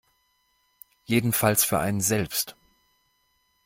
Jedenfalls für einen selbst.